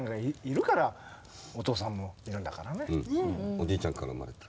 おじいちゃんから産まれた？